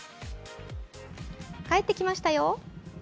帰ってきましたよ。